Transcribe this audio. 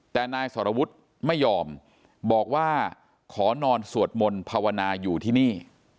แต่นายสรวุฒิไม่ยอมบอกว่าขอนอนสวดมนต์ภาวนาอยู่ที่นี่